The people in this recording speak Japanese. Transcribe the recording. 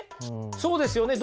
そうですよね。